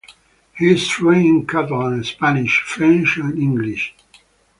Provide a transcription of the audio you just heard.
He is fluent in Catalan, Spanish, French and English.